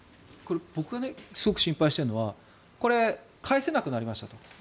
僕がすごく心配しているのはこれ、返せなくなりましたと。